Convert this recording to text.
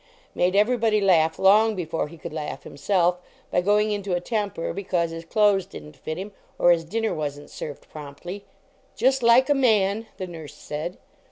Made everybody laugh long before he could laugh himself, by going into a temper be cause his clothes didn t fit him or his dinner wasn t served promptly. "Just like a man," the nurse said.